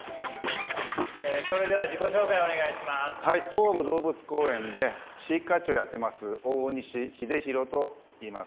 東武動物公園で飼育課長やってます大西秀弘といいます。